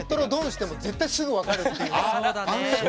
しても絶対すぐ分かるっていうね。